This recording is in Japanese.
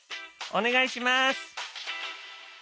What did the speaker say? お願いします！